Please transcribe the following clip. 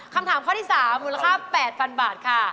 คำถามข้อที่๓มูลค่า๘๐๐๐บาทค่ะ